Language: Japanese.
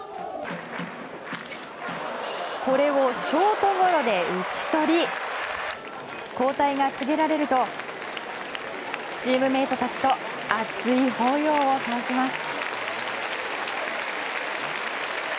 これをショートゴロで打ち取り交代が告げられるとチームメイトたちと熱い抱擁を交わします。